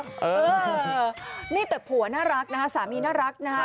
เออนี่แต่ผัวน่ารักนะฮะสามีน่ารักนะฮะ